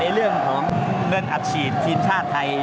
เรื่องของเงินอัดฉีดทีมชาติไทย